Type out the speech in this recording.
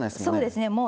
そうですね。